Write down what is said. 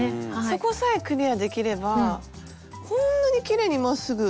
そこさえクリアできればこんなにきれいにまっすぐ。